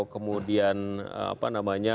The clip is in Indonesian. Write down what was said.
kemudian apa namanya